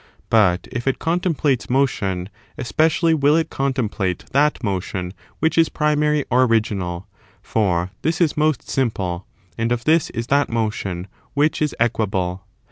But if it contemplates motion, especially will it contemplate that motion which is primary or original, for this is most simple, and of this is that motion which is equable.